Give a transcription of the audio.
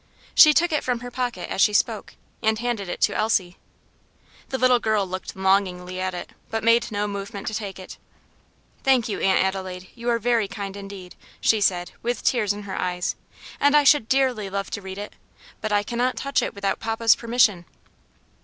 She took it from her pocket as she spoke, and handed it to Elsie. The little girl looked longingly at it, but made no movement to take it. "Thank you, Aunt Adelaide, you are very kind indeed," she said, with tears in her eyes, "and I should dearly love to read it; but I cannot touch it without papa's permission."